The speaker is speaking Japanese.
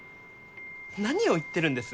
何を言ってるんです？